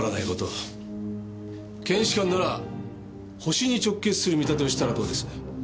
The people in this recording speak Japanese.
検視官ならホシに直結する見立てをしたらどうです？